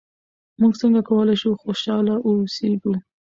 موږ څنګه کولای شو خوشحاله اوسېږو؟